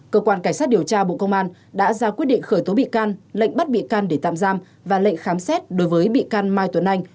cơ quan cảnh sát điều tra bộ công an đã ra quyết định khởi tố bị can lệnh bắt bị can để tạm giam và lệnh khám xét đối với bị can mai tuấn anh